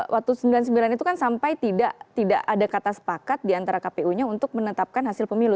waktu sembilan puluh sembilan itu kan sampai tidak ada kata sepakat diantara kpu nya untuk menetapkan hasil pemilu